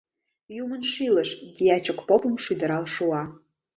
Юмын шӱлыш! — дьячок попым шӱдырал шуа.